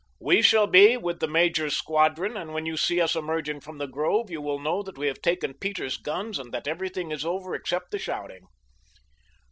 "We shall be with the major's squadron, and when you see us emerging from the grove, you will know that we have taken Peter's guns and that everything is over except the shouting."